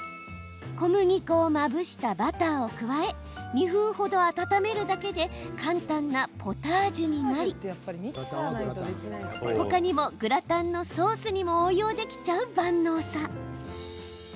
小麦粉をまぶしたバターを加え２分ほど温めるだけで簡単なポタージュになりほかにもグラタンのソースにも応用できちゃう万能さ。